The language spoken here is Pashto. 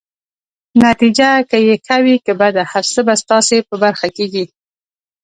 نتیجه که يې ښه وي که بده، هر څه به ستاسي په برخه کيږي.